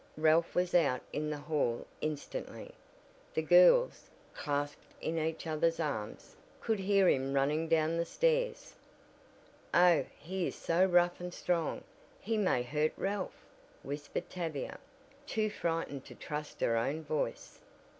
Ralph was out in the hall instantly. The girls, clasped in each other's arms, could hear him running down the stairs. "Oh, he is so rough and strong he may hurt Ralph," whispered Tavia, too frightened to trust her own voice.